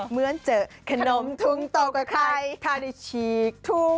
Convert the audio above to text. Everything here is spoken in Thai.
เหมือนเจอขนมทุ่งตกไว้ถ้าได้ฉีกทุ่ง